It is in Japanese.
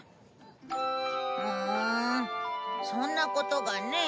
ふんそんなことがねえ。